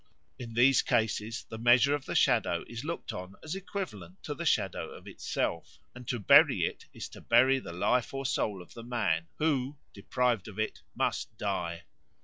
In these cases the measure of the shadow is looked on as equivalent to the shadow itself, and to bury it is to bury the life or soul of the man, who, deprived of it, must die.